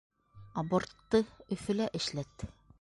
Абортты Өфөлә эшләт.